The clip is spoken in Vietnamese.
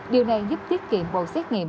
điều này giúp tiết kiệm bộ xét nghiệm